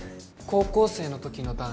高校生の時の弾